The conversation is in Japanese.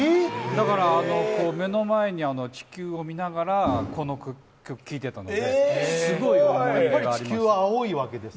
だから、目の前に地球を見ながらこの曲を聴いていたのでやっぱり地球は青いわけですか？